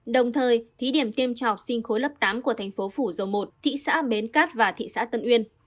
đồng thời thí điểm tiêm cho học sinh khối lớp tám của thành phố phủ dầu một thị xã bến cát và thị xã tân uyên